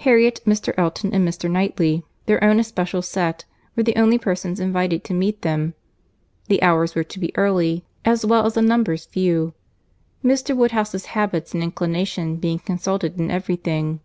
Harriet, Mr. Elton, and Mr. Knightley, their own especial set, were the only persons invited to meet them;—the hours were to be early, as well as the numbers few; Mr. Woodhouse's habits and inclination being consulted in every thing.